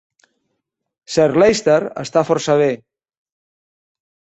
Sir Leicester està força bé.